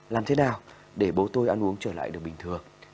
làm thế nào để bố tôi ăn uống trở lại được bình thường